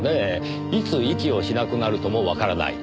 いつ息をしなくなるともわからない。